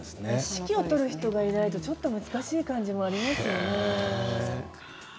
指揮を執る人がいないと難しい感じがありますよね。